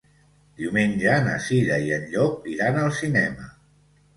Diumenge na Cira i en Llop iran al cinema.